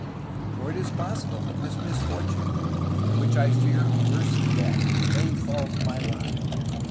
for it is possible that this misfortune, which I fear worse than death, may fall to my lot.